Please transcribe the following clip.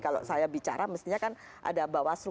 kalau saya bicara mestinya kan ada bawaslu